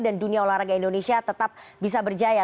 dan dunia olahraga indonesia tetap bisa berjaya